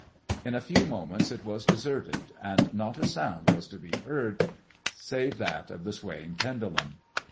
In a few moments it was deserted, and not a sound was to be heard save that of the swaying pendulum.